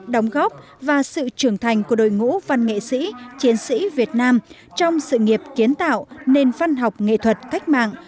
đóng góp và sự trưởng thành của đội ngũ văn nghệ sĩ chiến sĩ việt nam trong sự nghiệp kiến tạo nền văn học nghệ thuật cách mạng